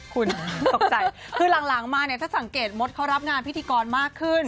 คุณตกใจคือหลังมาเนี่ยถ้าสังเกตมดเขารับงานพิธีกรมากขึ้น